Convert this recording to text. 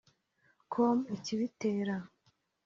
com ikibitera